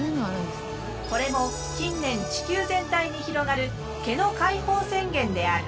これも近年地球全体に広がる毛の解放宣言である。